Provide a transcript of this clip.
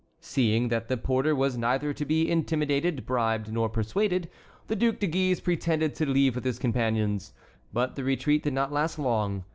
Seeing that the porter was neither to be intimidated, bribed, nor persuaded, the Duc de Guise pretended to leave with his companions; but the retreat did not last long.